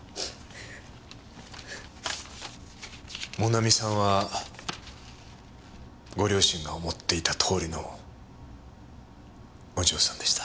もなみさんはご両親が思っていたとおりのお嬢さんでした。